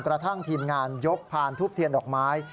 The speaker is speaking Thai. กระทั่งทีมงานยกพานทุบเทียนดอกไม้